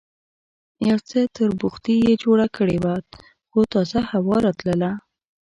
یو څه تربوختي یې جوړه کړې وه، خو تازه هوا راتلله.